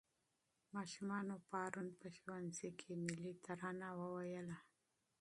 ماشومانو پرون په ښوونځي کې ملي ترانه وویله.